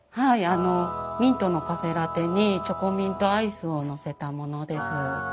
あのミントのカフェラテにチョコミントアイスを載せたものです。